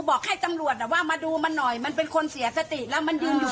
บอกให้ตำรวจว่ามาดูมันหน่อยมันเป็นคนเสียสติแล้วมันยืนอยู่